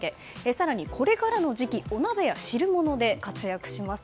更に、これからの時期お鍋や汁物で活躍します